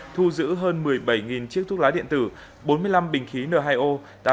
thu giữ hơn một mươi bảy chiếc thuốc lá điện tử bốn mươi năm bình khí n hai o